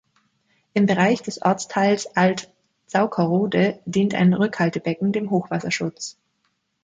Im Bereich des Ortsteils Alt-Zauckerode dient ein Rückhaltebecken dem Hochwasserschutz.